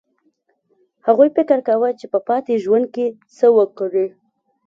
هغوی فکر کاوه چې په پاتې ژوند کې څه وکړي